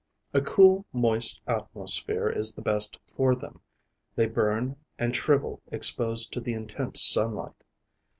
A cool, moist atmosphere is the best for them; they burn and shrivel exposed to the intense sunlight.